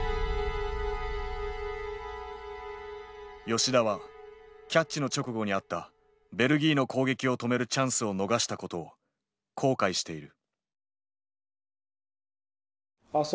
吉田はキャッチの直後にあったベルギーの攻撃を止めるチャンスを逃したことを後悔している。